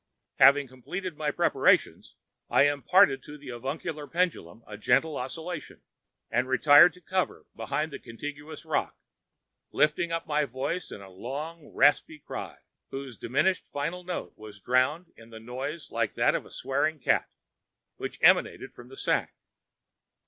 "Having completed my preparations, I imparted to the avuncular pendulum a gentle oscillation, and retiring to cover behind a contiguous rock, lifted up my voice in a long rasping cry whose diminishing final note was drowned in a noise like that of a swearing cat, which emanated from the sack.